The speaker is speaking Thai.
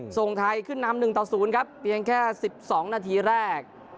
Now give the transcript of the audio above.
ส่งไทยขึ้นนำหนึ่งต่อศูนย์ครับเพียงแค่สิบสองนาทีแรก